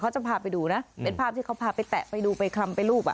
จะพาไปดูนะเป็นภาพที่เขาพาไปแตะไปดูไปคลำไปรูปอ่ะ